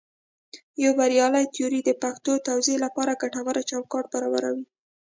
یوه بریالۍ تیوري د پېښو توضیح لپاره ګټور چوکاټ برابروي.